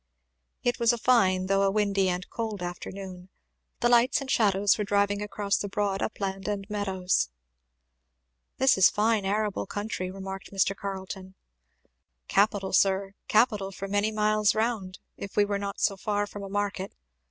It was a fine though a windy and cold afternoon; the lights and shadows were driving across the broad upland and meadows. "This is a fine arable country," remarked Mr. Carleton. "Capital, sir, capital, for many miles round, if we were not so far from a market.